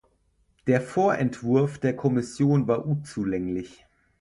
Der Vorentwurf der Kommission war unzulänglich.